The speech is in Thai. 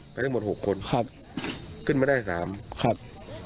ไปทั้งหมด๖คนขึ้นมันได้๓จะติดไหม